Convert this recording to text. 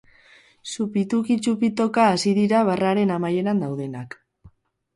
Supituki txupitoka hasi dira barraren amaieran daudenak.